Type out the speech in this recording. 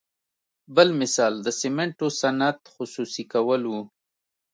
بل مثال د سمنټو صنعت خصوصي کول وو.